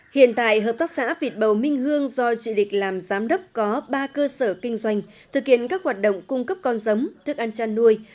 hiện tại hợp tác xã vịt bầu minh hương do chị lịch làm giám đốc có ba cơ sở kinh doanh thực hiện các hoạt động cung cấp con giống thức ăn chăn nuôi